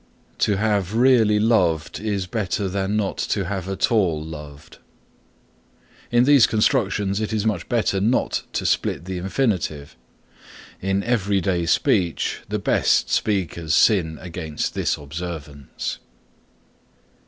"To have really loved is better than not to have at all loved." In these constructions it is much better not to split the infinitive. In every day speech the best speakers sin against this observance.